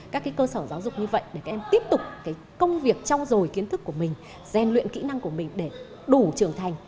các cơ sở giáo dục như vậy để các em tiếp tục công việc trao dồi kiến thức của mình gian luyện kỹ năng của mình để đủ trưởng thành